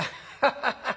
ハハハッ。